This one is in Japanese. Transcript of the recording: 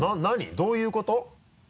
どういうこと？